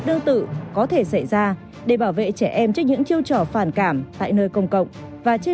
hãy thông báo với chị ngân này nhé